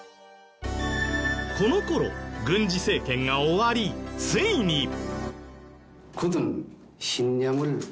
この頃軍事政権が終わりついに。